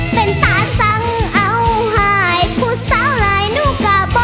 เป็นตาสั่งเอาให้ผู้เศร้าหลายหนูกลับบ่